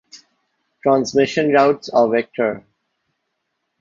Transmission routes are vector.